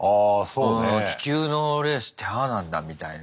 うん気球のレースってああなんだみたいな。